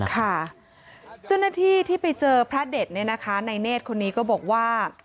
ค่ะเจ้าหน้าที่ที่ไปเจอพระเด็ดเนี่ยนะคะในเนธคนนี้ก็บอกว่า